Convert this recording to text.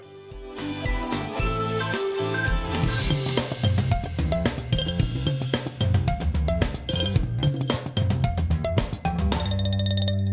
โปรดติดตามตอนต่อไป